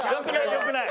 よくない。